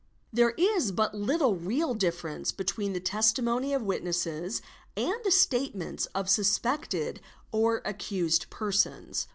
There is but little real difference between the testimony of witnesses and the statements of suspected or accused persons.